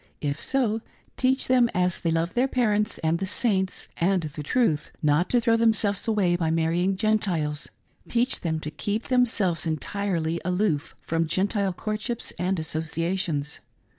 If sd, teach them, as they love their parents, and the Saints, and the truth, not to throw themselves away by marrying Gentiles ; teach them to keep themselves entirely aloof frpm Gentile courtships and associations.